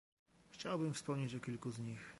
Chciałabym wspomnieć o kilku z nich